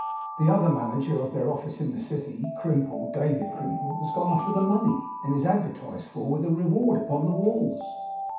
The other manager of their office in the city, Crimple, David Crimple, has gone off with the money, and is advertised for, with a reward, upon the walls.